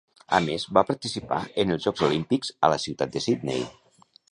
A més, va participar en el jocs olímpics a la ciutat de Sydney.